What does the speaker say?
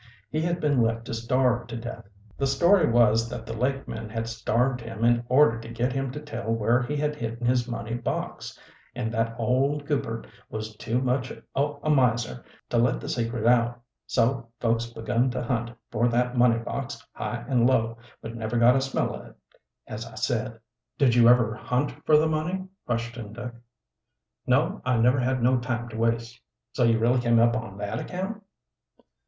He had been left to starve to death. The story was that the lake men had starved him in order to get him to tell where he had hidden his money box, and that old Goupert was too much o' a miser to let the secret out. So folks begun to hunt for that money box high an' low, but never got a smell o' it, as I said." "Did you ever hunt for the money?" questioned Dick. "No, I never had no time to waste. So you really came up on that account?"